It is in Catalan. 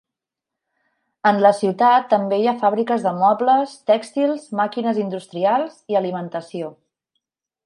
En la ciutat també hi ha fàbriques de mobles, tèxtils, màquines industrials i alimentació.